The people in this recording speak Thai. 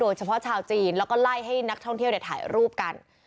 ชาวจีนแล้วก็ไล่ให้นักท่องเที่ยวถ่ายรูปกัน